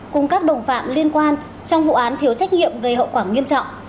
cùng các đồng phạm liên quan trong vụ án thiếu trách nhiệm gây hậu quả nghiêm trọng